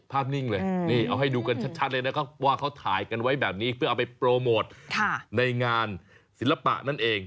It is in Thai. นิ่งเลยนี่เอาให้ดูกันชัดเลยนะครับว่าเขาถ่ายกันไว้แบบนี้เพื่อเอาไปโปรโมทในงานศิลปะนั่นเอง